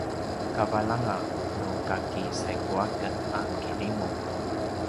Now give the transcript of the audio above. kavalanga nukaki saigu aken a kirimu